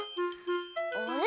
あれ？